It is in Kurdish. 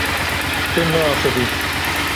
Tu naaxivî.